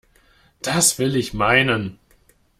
Das will ich meinen!